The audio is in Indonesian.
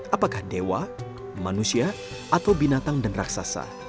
apakah dewa manusia atau binatang dan raksasa